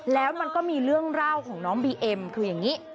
แล้วมันก็มีเรื่องเล่าของน้องบีเอ็มคืออย่างนี้